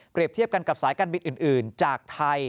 เทียบกันกับสายการบินอื่นจากไทย